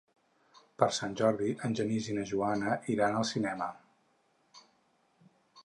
Per Sant Jordi en Genís i na Joana iran al cinema.